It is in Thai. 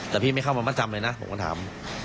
แต่พี่ไม่เข้ามามัดจำเลยนะผมก็ถาม